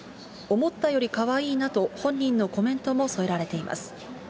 思ったよりかわいいなと本人のコメントも添えられています。